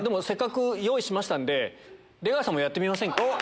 せっかく用意しましたんで出川さんもやってみませんか？